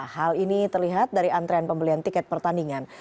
hal ini terlihat dari antrean pembelian tiket pertandingan